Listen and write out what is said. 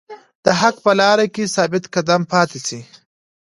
د حق په لاره کې ثابت قدم پاتې شئ.